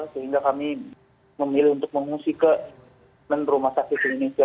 sehingga kami memilih untuk mengungsi ke rumah sakit indonesia